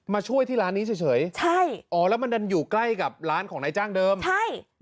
ช่วยที่ร้านนี้เฉยใช่อ๋อแล้วมันดันอยู่ใกล้กับร้านของนายจ้างเดิมใช่